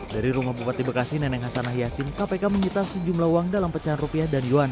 dari rumah bupati bekasi neneng hasanah yassin kpk menyita sejumlah uang dalam pecahan rupiah dan yuan